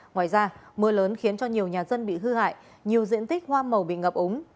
ngoài ra mưa lớn khiến cho nhiều nhà dân bị hư hại nhiều diện tích hoa màu bị ngập úng